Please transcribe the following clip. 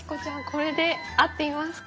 「これ」で合っていますか？